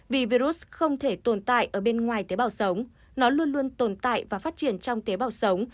vì virus không thể tồn tại ở bên ngoài tế bào sống nó luôn luôn tồn tại và phát triển trong tế bào sống